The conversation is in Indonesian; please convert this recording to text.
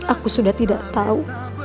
aku sudah tidak tahu